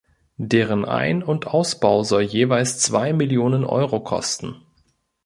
Deren Ein- und Ausbau soll jeweils zwei Millionen Euro kosten.